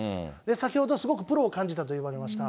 先ほど、すごくプロを感じたと言われました。